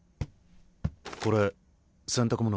これ洗濯物。